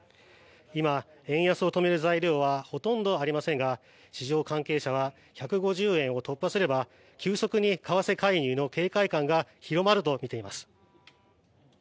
今、円安を止める材料はほとんどありませんが市場関係者は１５０円を突破すれば急速に為替介入の警戒感が広がるとみています。